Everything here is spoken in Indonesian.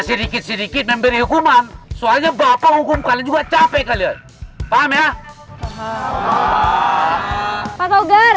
sedikit sedikit memberi hukuman soalnya bapak hukum kalian juga capek kalian paham ya pak taugar